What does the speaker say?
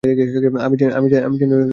আমি জানি তোমরা আছো।